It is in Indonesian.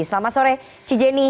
selamat sore ci jenny